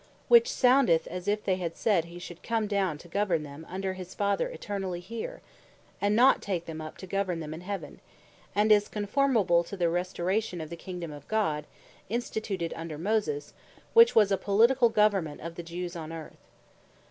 Which soundeth as if they had said, he should come down to govern them under his Father, Eternally here; and not take them up to govern them in Heaven; and is conformable to the Restauration of the Kingdom of God, instituted under Moses; which was a Political government of the Jews on Earth.